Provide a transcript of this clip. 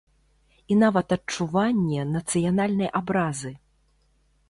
І нават адчуванне нацыянальнай абразы.